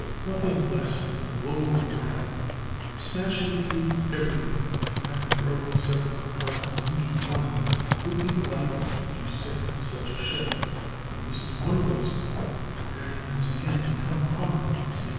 Nothing less than the blow of a ram, smashing through everything and throwing several compartments into one, would be likely to sink such a ship, and this is one reason why ramming has again become prominent in naval tactics.